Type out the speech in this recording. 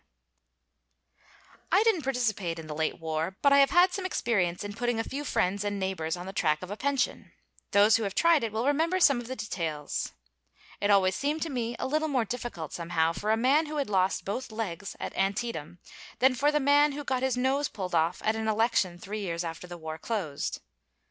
C. I didn't participate in the late war, but I have had some experience in putting a few friends and neighbors on the track of a pension. Those who have tried it will remember some of the details. It always seemed to me a little more difficult somehow for a man who had lost both legs at Antietam, than for the man who got his nose pulled off at an election three years after the war closed.